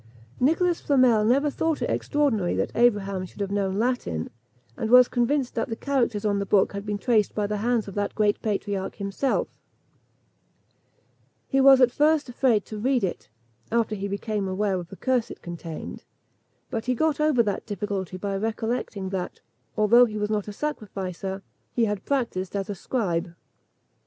Nicholas Flamel never thought it extraordinary that Abraham should have known Latin, and was convinced that the characters on his book had been traced by the hands of that great patriarch himself. He was at first afraid to read it, after he became aware of the curse it contained; but he got over that difficulty by recollecting that, although he was not a sacrificer, he had practised as a scribe.